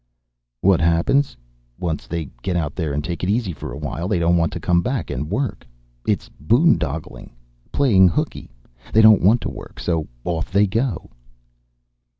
"What happens? Once they get out there and take it easy for a while they don't want to come back and work. It's boondoggling. Playing hookey. They don't want to work, so off they go."